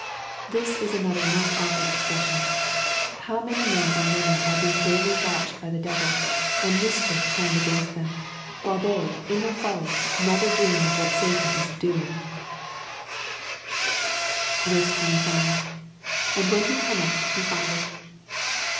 ] This is another most awful expression. How many men and women are being daily watched by the devil, and mischief planned against tliem, while they, in their folly, never dream of what Satan is doing I 25. — [And when he comethj he findeih.